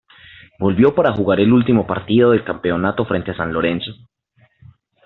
Volvió para jugar el último partido del campeonato frente a San Lorenzo.